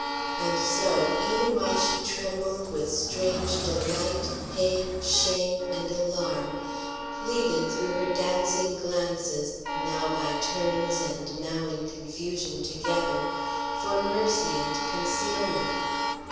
And so, even while she trembled with strange delight, pain, shame, and alarm pleaded through her dancing glances, now by turns and now in confusion together, for mercy and concealment.